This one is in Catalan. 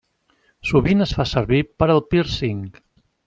Sovint es fa servir per al pírcing.